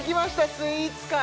スイーツ回